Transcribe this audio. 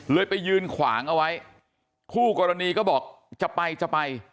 ไปยืนขวางเอาไว้คู่กรณีก็บอกจะไปจะไป